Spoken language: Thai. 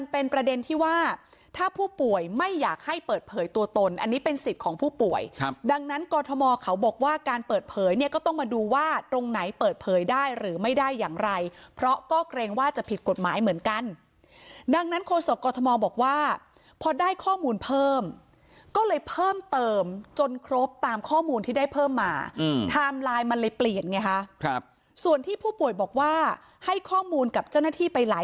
ประเด็นที่ว่าถ้าผู้ป่วยไม่อยากให้เปิดเผยตัวตนอันนี้เป็นสิทธิ์ของผู้ป่วยครับดังนั้นกรทมเขาบอกว่าการเปิดเผยเนี่ยก็ต้องมาดูว่าตรงไหนเปิดเผยได้หรือไม่ได้อย่างไรเพราะก็เกรงว่าจะผิดกฎหมายเหมือนกันดังนั้นคนส่งกรทมบอกว่าพอได้ข้อมูลเพิ่มก็เลยเพิ่มเติมจนครบตามข้อมูลที่ได้เพิ่มมาอื